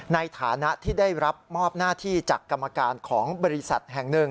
ในฐานะที่ได้รับมอบหน้าที่จากกรรมการของบริษัทแห่งหนึ่ง